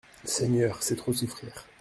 Seigneur, c'est trop souffrir.